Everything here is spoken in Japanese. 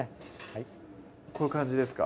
はいこういう感じですか？